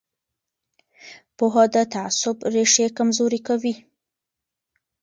پوهه د تعصب ریښې کمزورې کوي